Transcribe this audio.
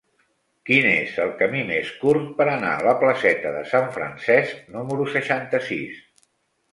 Quin és el camí més curt per anar a la placeta de Sant Francesc número seixanta-sis?